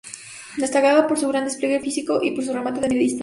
Destaca por su gran despliegue físico y por su remate de media distancia.